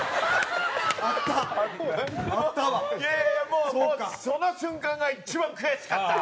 もうもうその瞬間が一番悔しかった。